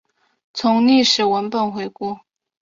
从历史文本回顾